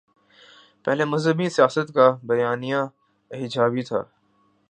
پہلے مذہبی سیاست کا بیانیہ ایجابی تھا۔